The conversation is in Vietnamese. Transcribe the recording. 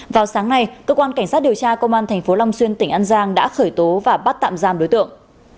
vào sáng nay cơ quan cảnh sát điều tra công an tp long xuyên tỉnh an giang đã khởi tố và bắt tạm giam đối tượng